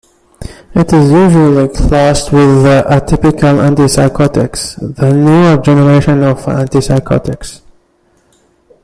It is usually classed with the atypical antipsychotics, the newer generation of antipsychotics.